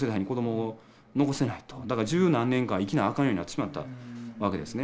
だから十何年間生きなあかんようになってしまったわけですね。